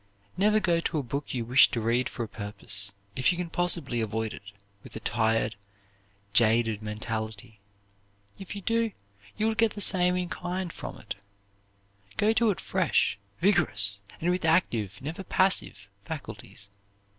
Never go to a book you wish to read for a purpose, if you can possibly avoid it, with a tired, jaded mentality. If you do, you will get the same in kind from it. Go to it fresh, vigorous, and with active, never passive, faculties.